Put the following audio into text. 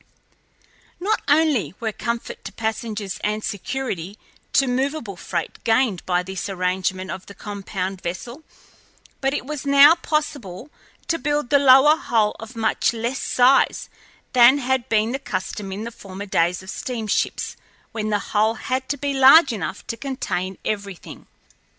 Not only were comfort to passengers and security to movable freight gained by this arrangement of the compound vessel, but it was now possible to build the lower hull of much less size than had been the custom in the former days of steamships, when the hull had to be large enough to contain everything.